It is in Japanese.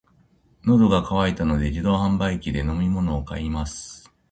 喉が渇いたので、自動販売機で飲み物を買います。